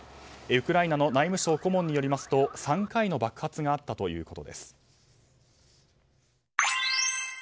ウクライナの内務省顧問によりますと３回の爆発があったということです。